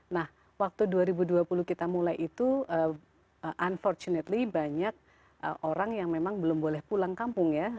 nah waktu dua ribu dua puluh kita mulai itu unfortunately banyak orang yang memang belum boleh pulang kampung ya